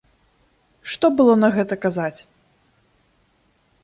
Што было на гэта казаць?